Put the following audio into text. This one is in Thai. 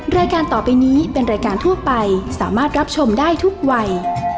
รายการต่อไปนี้เป็นรายการทั่วไปสามารถรับชมได้ทุกวัย